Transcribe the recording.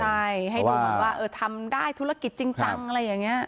ใช่ให้ดูว่าทำได้ธุรกิจจริงจังอะไรอย่างเนี่ย